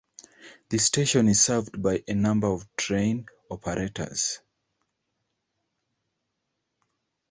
The station is served by a number of train operators.